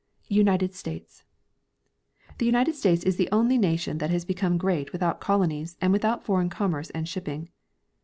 United States. The United States is the only nation that has become great without colonies and without foreign commerce and shipping.